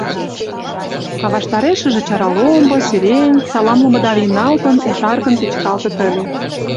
А ваштарешыже чара ломбо, сирень, саламлымыда вийналтын, ужаргын печкалтыт ыле.